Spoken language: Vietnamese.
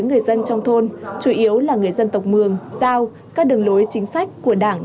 người dân trong thôn chủ yếu là người dân tộc mường giao các đường lối chính sách của đảng